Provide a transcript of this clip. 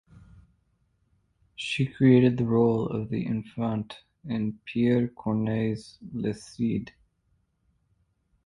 She created the role of the Infante in Pierre Corneille’s "Le Cid".